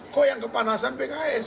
kok yang kepanasan pks